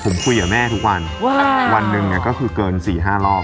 ผมคุยกับแม่ทุกวันว้าววันหนึ่งเนี้ยก็คือเกินสี่ห้ารอบ